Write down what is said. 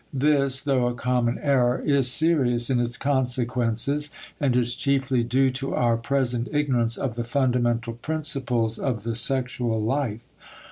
This, though a common error, is serious in its consequences and is chiefly due to our present ignorance of the fundamental principles of the sexual life.